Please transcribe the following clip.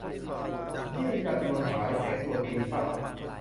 นี่ จาตุรนต์ ฉายแสง ตัวจริงป่ะ ?